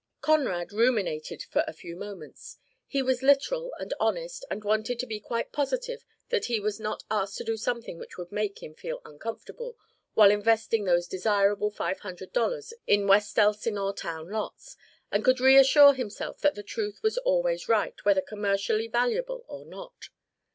Conrad ruminated for a few moments. He was literal and honest and wanted to be quite positive that he was not asked to do something which would make him feel uncomfortable while investing those desirable five hundred dollars in West Elsinore town lots, and could reassure himself that the truth was always right whether commercially valuable or not.